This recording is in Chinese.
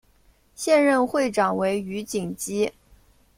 现任会长为余锦基。